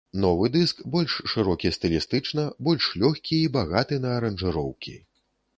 Новы дыск больш шырокі стылістычна, больш лёгкі і багаты на аранжыроўкі.